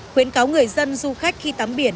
khuyến cáo người dân du khách khi tắm biển